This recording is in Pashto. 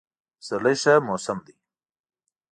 پسرلی ښه موسم دی.